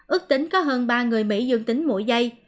ước tính có hơn ba người mỹ dương tính mỗi giây